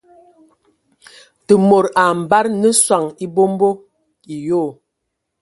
Te mod a ambada nə soŋ e abombo e yoo.